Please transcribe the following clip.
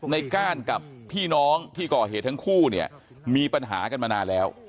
ก้านกับพี่น้องที่ก่อเหตุทั้งคู่เนี่ยมีปัญหากันมานานแล้ว